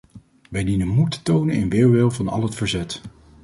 Wij dienen moed te tonen in weerwil van al het verzet!